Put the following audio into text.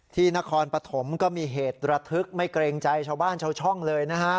ที่นครปฐมก็มีเหตุระทึกไม่เกรงใจชาวบ้านชาวช่องเลยนะฮะ